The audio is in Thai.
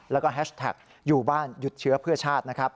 แล้วก็แฮชแท็กอยู่บ้านหยุดเชื้อเพื่อชาตินะครับ